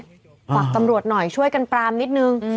ฝากตำรวจหน่อยช่วยกันปรามนิดนึง